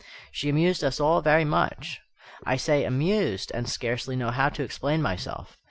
She amused us all very much. I say "amused," and scarcely know how to explain myself.